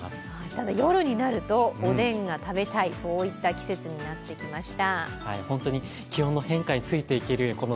ただ、夜になると、おでんが食べたい、そういった季節になってきました。